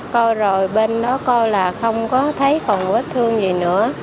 coi rồi bên đó coi là không có thấy phòng bếp thương gì nữa